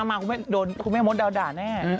พรุ่งนี้คุณแม่ม้ามาคุณแม่มดด่าแน่